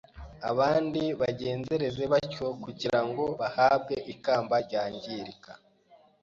Abandi bagenzereza batyo kugira ngo bahabwe ikamba ryangirika